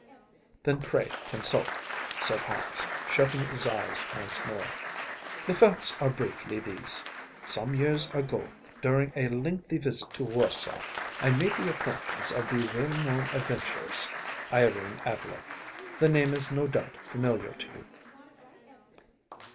‚ÄĚ “Then, pray consult,‚ÄĚ said Holmes, shutting his eyes once more. “The facts are briefly these: Some five years ago, during a lengthy visit to Warsaw, I made the acquaintance of the well known adventuress, Irene Adler. The name is no doubt familiar to you.